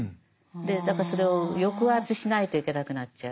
だからそれを抑圧しないといけなくなっちゃう。